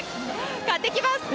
買ってきます。